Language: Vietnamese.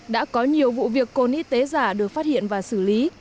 đã có nhiều vụ việc cồn y tế giả được phát hiện và xử lý